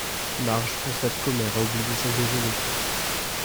Marge constate qu'Homer a oublié son déjeuner.